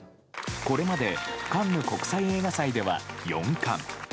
これまで、カンヌ国際映画祭では４冠。